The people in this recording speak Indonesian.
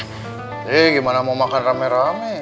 hei gimana mau makan rame rame